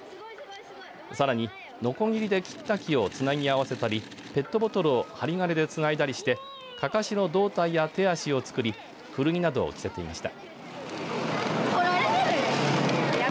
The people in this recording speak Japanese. さらにのこぎりで切った木をつなぎ合わせたりペットボトルを針金でつないだりしてかかしの胴体や手足を作り古着などを着せていました。